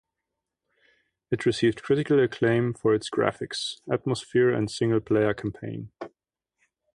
It received critical acclaim for its graphics, atmosphere and single-player campaign.